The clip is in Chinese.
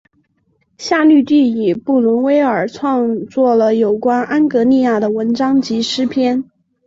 夏绿蒂与布伦威尔创作了有关安格利亚的文章及诗篇。